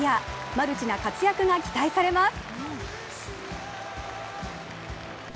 マルチな活躍が期待されます。